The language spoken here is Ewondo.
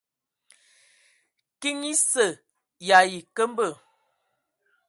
Kiŋ esə y ayi nkəmbə.